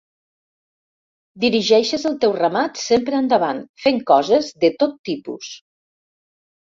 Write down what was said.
Dirigeixes el teu ramat sempre endavant, fent coses de tot tipus.